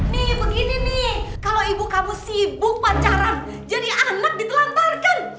nih begini nih kalau ibu kamu sibuk pacaran jadi anak ditelantarkan